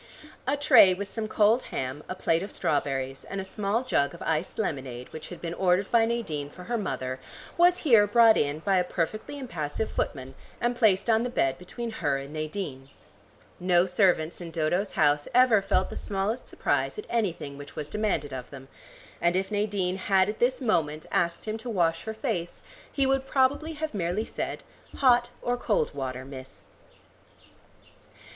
A tray with some cold ham, a plate of strawberries, and a small jug of iced lemonade which had been ordered by Nadine for her mother was here brought in by a perfectly impassive footman, and placed on the bed between her and Nadine. No servants in Dodo's house ever felt the smallest surprise at anything which was demanded of them, and if Nadine had at this moment asked him to wash her face, he would probably have merely said, "Hot or cold water, miss?"